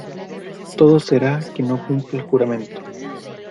todo será que no cumpla el juramento.